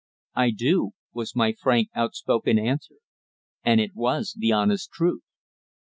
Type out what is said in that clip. "I do," was my frank, outspoken answer, and it was the honest truth.